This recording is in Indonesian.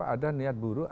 ada niat buruk